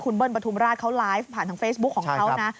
เบิ้ลปฐุมราชเขาไลฟ์ผ่านทางเฟซบุ๊คของเขานะ